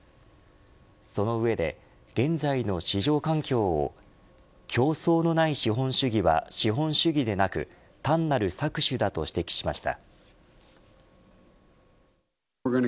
その上で、現在の市場環境を競争のない資本主義は資本主義でなく単なる搾取だと指摘しました。